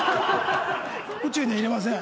宇宙には入れません。